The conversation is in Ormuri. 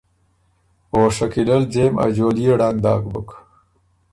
او شکیلۀ ل ځېم ا جوليې ړنګ داک بُک۔